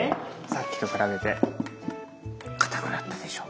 さっきとくらべてかたくなったでしょ。